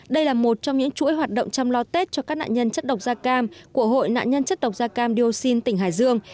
đây là một trong những chuỗi hoạt động chăm lo tết cho các nạn nhân chất độc da cam của hội nạn nhân chất độc da cam dioxin tỉnh hải dương